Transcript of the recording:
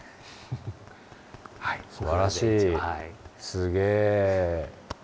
すげえ。